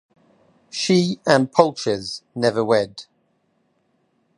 She and Polches never wed.